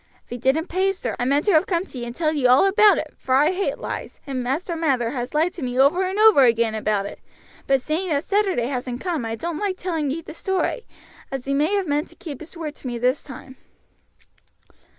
"If he didn't pay, sir, I meant to have come to ye and telled ye all about it, for I hate lies, and Master Mather has lied to me over and over again about it; but seeing that Saturday hasn't come I don't like telling ye the story, as he may have meant to keep his word to me this time."